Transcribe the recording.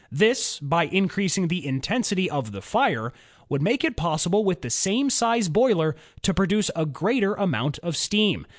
This, by increasing the intensity of the fire, would make it possible with the same size boiler to produce a greater amount of steam.